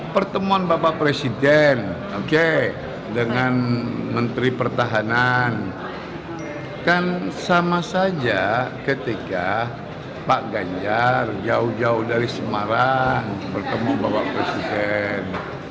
pertemuan bapak presiden oke dengan menteri pertahanan kan sama saja ketika pak ganjar jauh jauh dari semarang bertemu bapak presiden